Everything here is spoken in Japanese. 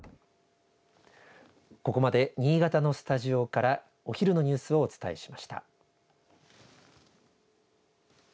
ここまで新潟のスタジオからお昼のニュースをお伝えしました。